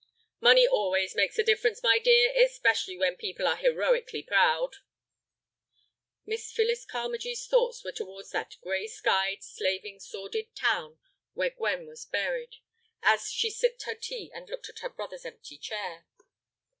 "Money always makes a difference, my dear, especially when people are heroically proud." Miss Phyllis Carmagee's thoughts were towards that gray skied, slaving, sordid town where Gwen was buried, as she sipped her tea and looked at her brother's empty chair.